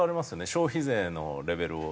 消費税のレベルを。